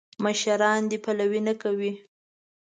مشران دې پلوي نه کوي.